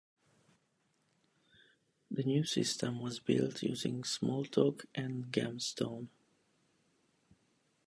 The new system was built using Smalltalk and GemStone.